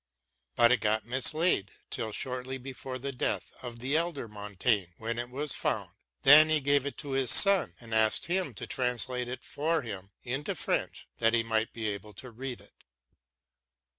But it got mislaid till shortly before the death of the elder Montaigne, when it was found. Then he gave it to his son, and asked him to translate it for him into French, that he might be able to read it.